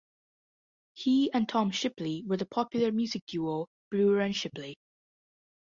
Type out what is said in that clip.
He and Tom Shipley were the popular music duo Brewer and Shipley.